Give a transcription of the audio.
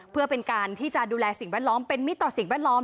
เพื่อเป็นการที่จะดูแลสิ่งแวดล้อมเป็นมิตรต่อสิ่งแวดล้อม